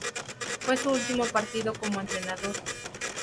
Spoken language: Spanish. Fue su último partido como entrenador.